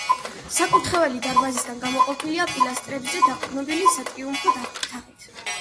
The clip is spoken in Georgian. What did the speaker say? საკურთხეველი დარბაზისაგან გამოყოფილია პილასტრებზე დაყრდნობილი სატრიუმფო თაღით.